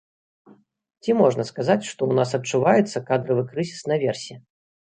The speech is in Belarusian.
Ці можна сказаць, што ў нас адчуваецца кадравы крызіс наверсе?